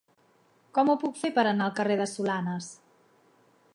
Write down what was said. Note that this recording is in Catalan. Com ho puc fer per anar al carrer de Solanes?